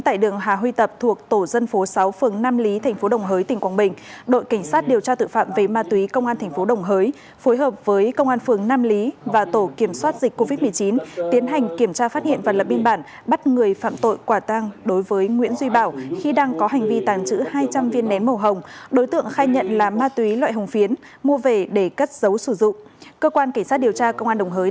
trong biên cũng đã bị đội cảnh sát điều tra tội phạm về ma túy công an quận ba đình bắt quả tang khi đang giao dịch ma túy công an quận ba đình